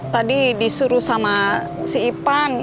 tadi disuruh sama si ipan